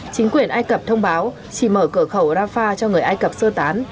chính quyền ai cập thông báo chỉ mở cửa khẩu rafah cho người ai cập sơ tán